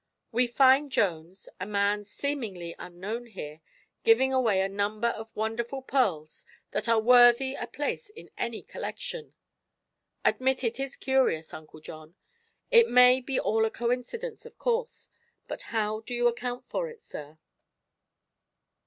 We find Jones, a man seemingly unknown here, giving away a number of wonderful pearls that are worthy a place in any collection. Admit it is curious, Uncle John. It may be all a coincidence, of course; but how do you account for it, sir?"